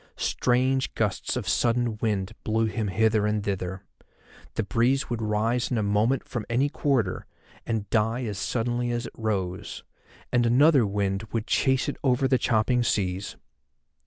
Strange gusts of sudden wind blew him hither and thither. The breeze would rise in a moment from any quarter, and die as suddenly as it rose, and another wind would chase it over the chopping seas.